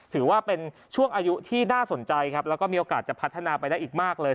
ถือว่าเป็นช่วงอายุที่น่าสนใจครับแล้วก็มีโอกาสจะพัฒนาไปได้อีกมากเลย